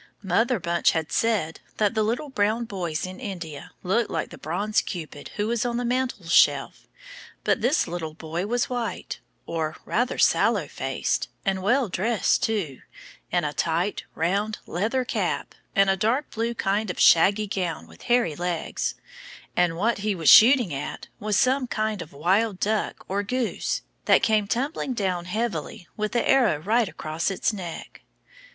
Mother Bunch had said that the little brown boys in India looked like the bronze Cupid who was on the mantelshelf, but this little boy was white, or rather sallow faced, and well dressed too, in a tight, round, leather cap, and a dark blue kind of shaggy gown with hairy leggings; and what he was shooting at was some kind of wild duck or goose, that came tumbling down heavily with the arrow right across its neck.